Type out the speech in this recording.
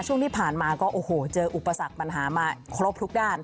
ช่วงที่ผ่านมาก็โอ้โหเจออุปสรรคปัญหามาครบทุกด้าน